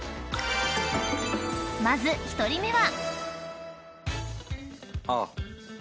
［まず１人目は］